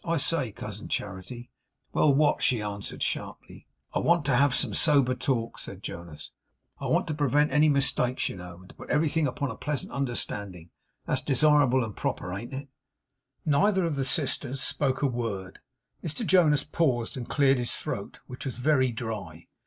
I say Cousin Charity ' 'Well! what?' she answered sharply. 'I want to have some sober talk,' said Jonas; 'I want to prevent any mistakes, you know, and to put everything upon a pleasant understanding. That's desirable and proper, ain't it?' Neither of the sisters spoke a word. Mr Jonas paused and cleared his throat, which was very dry.